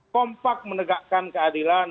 pompak menegakkan keadilan